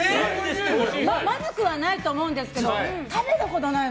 まずくはないと思うんですけど食べたことないの。